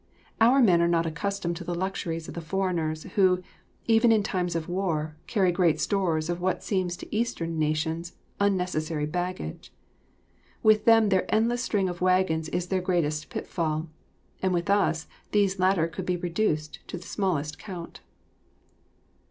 Our men are not accustomed to the luxuries of the foreigners, who, even in times of war, carry great stores of what seems to Eastern nations, unnecessary baggage. With them their endless string of wagons is their greatest pitfall, and with us these latter could be reduced to the smallest count.